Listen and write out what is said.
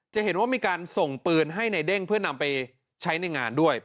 จะเห็นว่ามีการส่งปืนให้ในเด้งเพื่อนำไปใช้ในงานด้วย